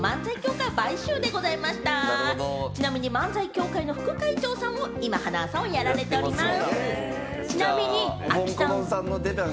ちなみに漫才協会の副会長さんを今、塙さんはやられております。